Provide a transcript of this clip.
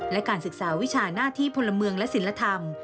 และการศึกษาวิชาหน้าที่พลเมืองและศิลธรรม